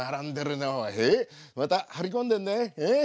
また張り込んでんねええ？